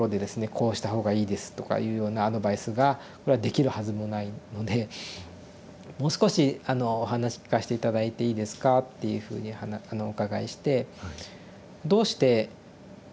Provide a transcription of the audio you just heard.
「こうした方がいいです」とかいうようなアドバイスができるはずもないので「もう少しお話聞かして頂いていいですか」っていうふうにお伺いして「どうして予後を聞きたいんですか？」